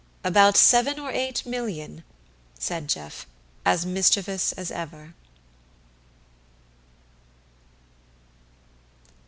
"About seven or eight million," said Jeff, as mischievous as ever.